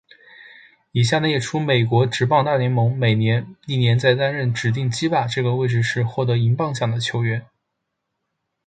以下列出美国职棒大联盟美联历年在担任指定打击这个位置时获得银棒奖的球员。